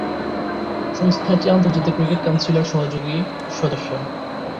সংস্থাটি আন্তর্জাতিক ক্রিকেট কাউন্সিলের সহযোগী সদস্য।